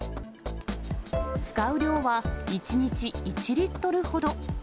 使う量は１日１リットルほど。